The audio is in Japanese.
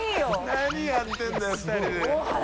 何やってるんだよ２人で。